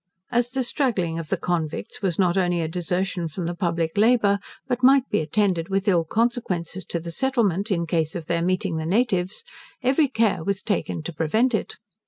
As the straggling of the convicts was not only a desertion from the public labour, but might be attended with ill consequences to the settlement, in case of their meeting the natives, every care was taken to prevent it.